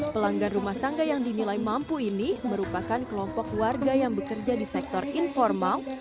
pelanggan rumah tangga yang dinilai mampu ini merupakan kelompok warga yang bekerja di sektor informal